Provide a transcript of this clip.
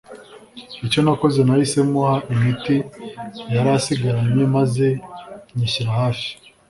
icyo nakoze nahise muha imiti yari asigaranye maze nyishyira hafi